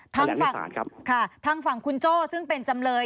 ค่ะทางฝั่งคุณโจ้ซึ่งเป็นจำเลย